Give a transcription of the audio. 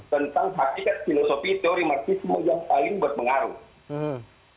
tentang hakikat filosofi teori marxisme yang paling berpengaruh